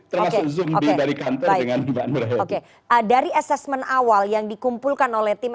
termasuk zombie dari kantor dengan mbak nurhayati dari assessment awal yang dikumpulkan oleh tim